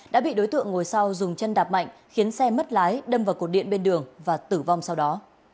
đã bị đối tượng ngồi sau dùng chân đạp mạnh khiến xe mất lái đâm vào cột điện bên đường và tử vong sau đó